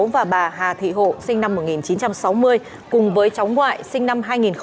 và bà hà thị hộ sinh năm một nghìn chín trăm sáu mươi cùng với cháu ngoại sinh năm hai nghìn một mươi hai